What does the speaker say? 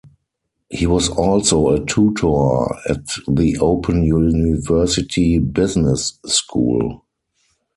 He was also a tutor at the Open University Business School.